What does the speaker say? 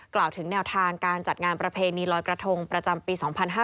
กล่าวถึงแนวทางการจัดงานประเพณีลอยกระทงประจำปี๒๕๕๙